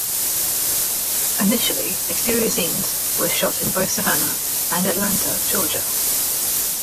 Initially, exterior scenes were shot in both Savannah and Atlanta, Georgia.